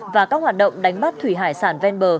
và các hoạt động đánh bắt thủy hải sản ven bờ